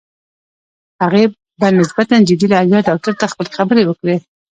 هغې په نسبتاً جدي لهجه ډاکټر ته خپلې خبرې وکړې.